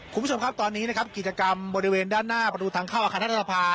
คุณผู้ชมครับตอนนี้นะครับกิจกรรมบริเวณด้านหน้าประตูทางเข้าอาคารรัฐสภา